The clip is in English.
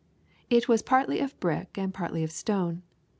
It was partly of brick and partly of stone.